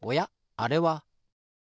あれは。